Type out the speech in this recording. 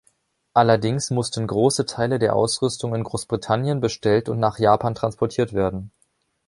Allerdings mussten große Teile der Ausrüstung in Großbritannien bestellt und nach Japan transportiert werden.